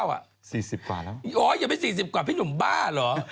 ว่าตัวนี้๔๐กว่าพี่หนุ่มบ้าเหรอ